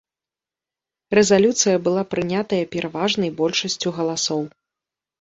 Рэзалюцыя была прынятая пераважнай большасцю галасоў.